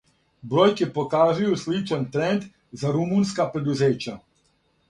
Бројке показују сличан тренд за румунска предузећа.